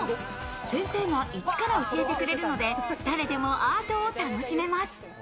先生がイチから教えてくれるので、誰でもアートを楽しめます。